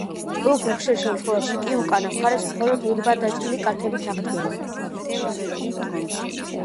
უფრო ხშირ შემთხვევაში კი უკანა მხარეს მხოლოდ ირიბად დაჭრილი კალთებით ადგენდნენ.